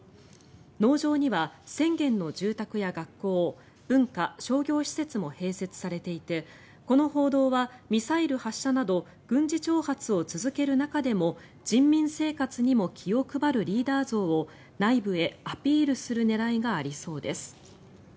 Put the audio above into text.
農場には１０００軒の住宅や学校文化・商業施設も併設されていてこの報道はミサイル発射など軍事挑発を続ける中でも人民生活にも気を配るリーダー像を内部へアピールする狙いがありそうです。